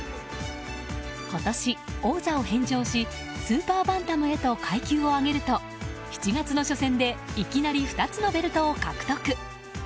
今年、王座を返上しスーパーバンタムへと階級を上げると７月の初戦でいきなり２つのベルトを獲得。